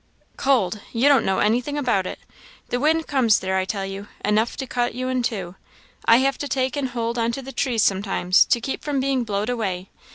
"Cold! you don't know anything about it. The wind comes there, I tell you! enough to cut you in two; I have to take and hold on to the trees sometimes, to keep from being blowed away.